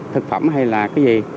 thực phẩm hay là cái gì